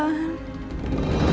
makan tak sampai mas